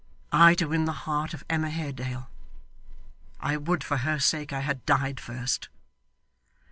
I to win the heart of Emma Haredale! I would, for her sake, I had died first!